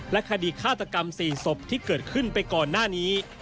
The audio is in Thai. คดีฆาตกรรม๔ศพที่เกิดขึ้นไปก่อนหน้านี้